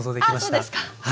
あそうですか。